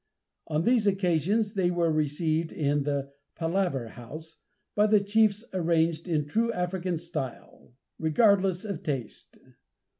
On these occasions they were received in the "palaver house," by the chiefs arranged in true African style, regardless of taste.